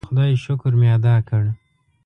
د خدای شکر مې ادا کړ.